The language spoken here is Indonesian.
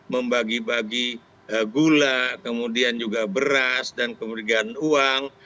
membagi bagi gula kemudian juga beras dan kemudian uang